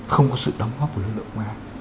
không có sự đóng góp của lực lượng công an